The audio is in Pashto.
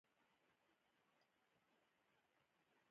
بوټونه د ښوونې او روزنې برخه دي.